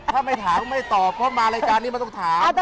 ถ้าไม่ถามไม่ตอบเพราะมารายการนี้มันต้องถาม